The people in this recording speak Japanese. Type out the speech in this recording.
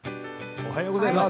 おはようございます。